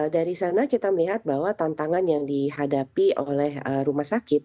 dari sana kita melihat bahwa tantangan yang dihadapi oleh rumah sakit